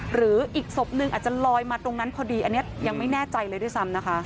หรืออีกศพนึงอาจจะลอยมาตรงนั้นพอดีอันนี้ยังไม่แน่ใจเลยด้วยซ้ำนะคะ